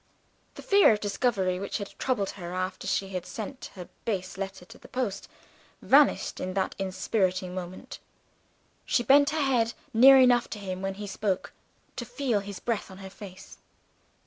The fear of discovery which had troubled her after she had sent her base letter to the post, vanished at that inspiriting moment. She bent her head near enough to him when he spoke to feel his breath on her face.